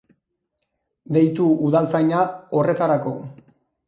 Deitu udaltzaina, horretarako.